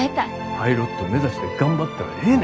パイロット目指して頑張ったらええね。